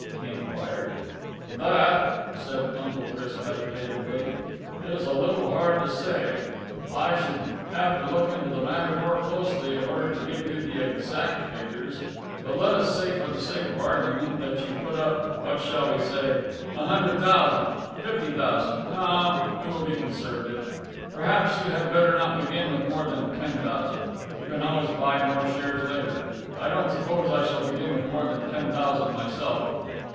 he enquired. "That," said Uncle Chris meditatively, "is a little hard to say. I should have to look into the matter more closely in order to give you the exact figures. But let us say for the sake of argument that you put up what shall we say? a hundred thousand? fifty thousand? ... no, we will be conservative. Perhaps you had better not begin with more than ten thousand. You can always buy more shares later. I don't suppose I shall begin with more than ten thousand myself."